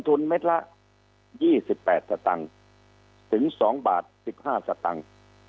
ทุนเมตรละยี่สิบแปดสตังค์ถึงสองบาทสิบห้าสตังค์